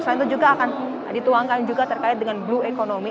selain itu juga akan dituangkan juga terkait dengan blue economy